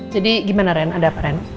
jadi gimana ren ada apa ren